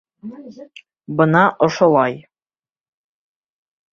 Бына ошолай...